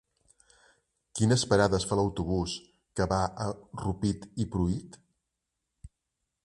Quines parades fa l'autobús que va a Rupit i Pruit?